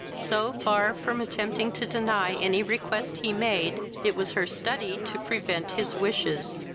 So far from attempting to deny any request he made, it was her study to prevent his wishes.